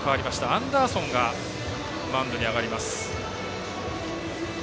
アンダーソンがマウンドに上がります。